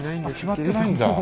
決まってないんだ。